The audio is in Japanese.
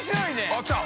あっ来た！